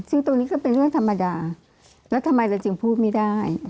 ซึ่งตรงนี้ก็เป็นเรื่องธรรมดาแล้วทำไมเราจึงพูดไม่ได้